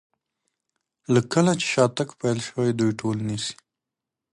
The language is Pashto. له کله چې دغه شاتګ پیل شوی دوی ټول نیسي.